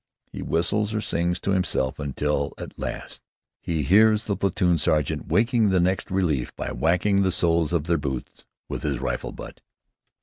He whistles or sings to himself until, at last, he hears the platoon sergeant waking the next relief by whacking the soles of their boots with his rifle butt.